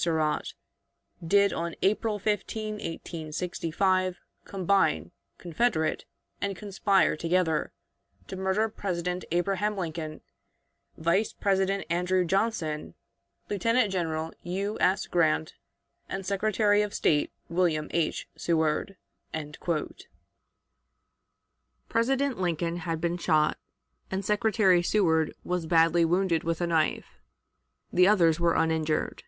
Surratt, did on April 15, 1865, combine, confederate, and conspire together to murder President Abraham Lincoln, Vice President Andrew Johnson, Lieutenant General U. S. Grant, and Secretary of State William H. Seward." President Lincoln had been shot, and Secretary Seward was badly wounded with a knife. The others were uninjured.